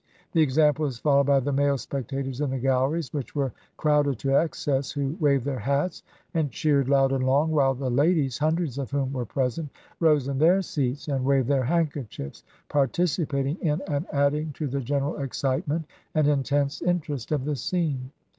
The example was followed by the male spectators in the galleries, which were crowded to excess, who waved their hats and cheered loud and long, while the ladies, hundreds of whom were present, rose in their seats and waved their handkerchiefs, participating in and "Globe," adding to the general excitement and intense in i865Tp.353i. terest of the scene.